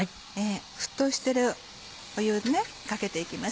沸騰してる湯にかけていきます。